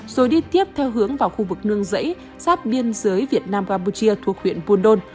rồi đi tiếp theo hướng vào khu vực nương dãy sắp biên giới việt nam gabuchia thuộc huyện buồn đôn